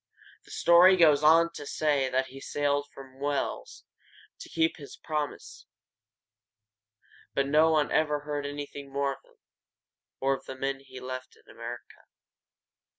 The story goes on to say that he sailed from Wales to keep this promise, but no one ever heard anything more of him, or of the men he left in America.